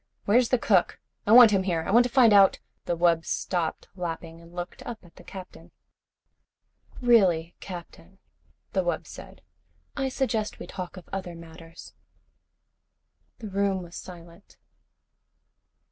Where's the cook? I want him here. I want to find out " The wub stopped lapping and looked up at the Captain. "Really, Captain," the wub said. "I suggest we talk of other matters." The room was silent.